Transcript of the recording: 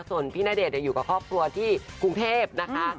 ส่วนพี่ณเดชน์อยู่กับครอบครัวที่กรุงเทพนะคะ